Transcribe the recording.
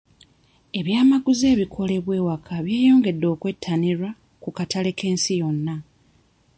Ebyamaguzi ebikolebwa ewaka byeyongedde okwettanirwa ku katale k'ensi yonna.